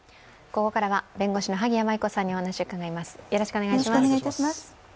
ここからは弁護士の萩谷麻衣子さんにお話を伺います。